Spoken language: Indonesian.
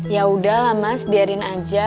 yaudah lah mas biarin aja